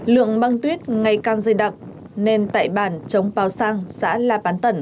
lượng băng tuyết ngày càng dây đậm nên tại bàn chống bào sang xã la bán tẩn